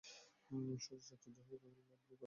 শচীশ আশ্চর্য হইয়া কহিল, লাইব্রেরি-ঘর!